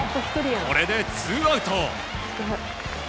これでツーアウト。